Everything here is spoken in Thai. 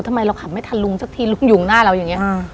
ทำไมเราขับไม่ทันลุงสักทีลุงยุงหน้าเราอย่างนี้